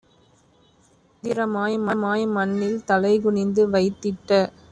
தந்திரமாய் மண்ணில் தலைகுனிந்து வைத்திட்ட